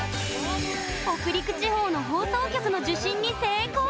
北陸地方の放送局の受信に成功！